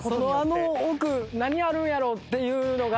あの奥何あるんやろうっていうのが。